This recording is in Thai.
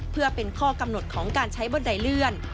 เพื่อเป็นข้อกำหนดของการใช้บันไดเลื่อน